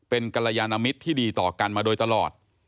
เป็นกรยานมิตรที่ดีต่อกันมาโดยตลอด